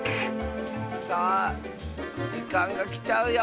さあじかんがきちゃうよ！